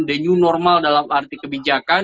denyu normal dalam arti kebijakan